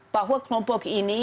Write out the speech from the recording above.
bahwa kelompok ini